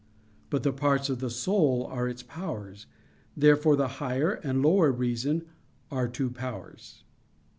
But the parts of the soul are its powers. Therefore the higher and lower reason are two powers.